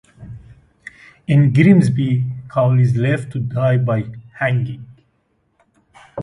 In Grimsby, Caul is left to die by hanging.